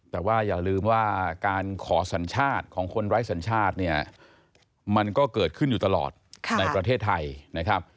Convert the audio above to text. แต่ว่าอย่าลืมว่าการขอสัญชาติของคนไร้สัญชาติเนี่ยมันก็เกิดขึ้นอยู่ตลอดในประเทศไทยนะครับ